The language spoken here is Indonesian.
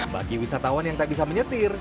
bagi wisatawan yang tak bisa menyetir